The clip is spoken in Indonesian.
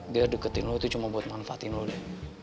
dia deketin lo itu cuma buat manfaatin lo deh